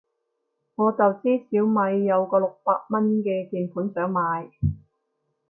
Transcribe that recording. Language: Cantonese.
我就知小米有個六百蚊嘅鍵盤想買